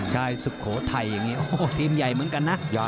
ใช้สุขทัยยีกว่าโอ้หูทีมใหญ่เหมือนกันนะ